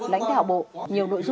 lãnh đạo bộ